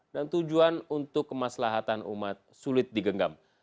dan tujuan untuk kemaslahan umat sulit digenggam